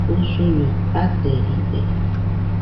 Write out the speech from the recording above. Usuño ateride